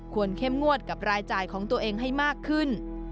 เข้มงวดกับรายจ่ายของตัวเองให้มากขึ้น